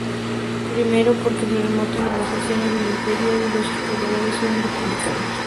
Primero porque se remonta a las acciones del imperio y los historiadores eran republicanos.